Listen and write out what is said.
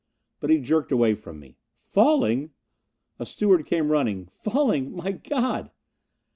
But he jerked away from me. "Falling?" A steward came running. "Falling? My God!"